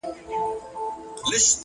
پوه انسان تل د ودې په حال وي.